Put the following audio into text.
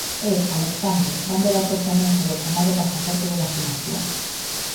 E, Alexandre, van debater tamén sobre o chamado pasaporte de vacinación...